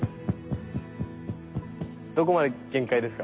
どこが限界ですか？